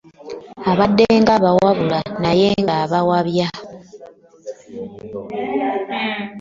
Abadde nga abawabula naye ng'ate abawabya.